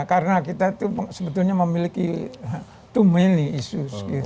karena kita sebetulnya memiliki too many isu